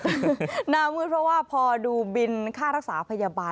หน้ามืดเพราะว่าพอดูบินค่ารักษาพยาบาล